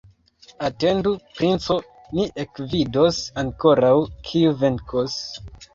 Atendu, princo, ni ekvidos ankoraŭ, kiu venkos!